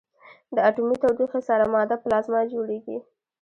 د اټومي تودوخې سره ماده پلازما جوړېږي.